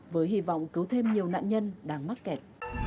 với hy vọng cứu thêm nhiều nạn nhân đang mắc kẹt